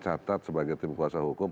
karena catat sebagai tim kuasa hukum